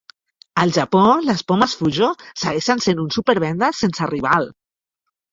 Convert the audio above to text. Al Japó, les pomes Fujo segueixen sent un supervendes sense rival.